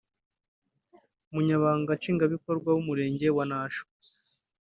Umunyamabanga nshingwabikorwa w’Umurenge wa Nasho